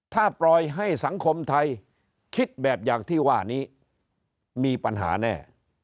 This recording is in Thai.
ถ้าปล่อยให้สังคมไทยคิดแบบอย่างที่ว่านี้มีปัญหาแน่